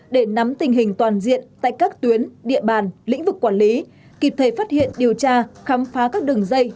để nắm tình hình toàn diện tại các tuyến địa bàn lĩnh vực quản lý kịp thời phát hiện điều tra khám phá các đường dây